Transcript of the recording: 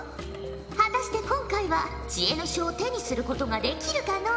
果たして今回は知恵の書を手にすることができるかのう？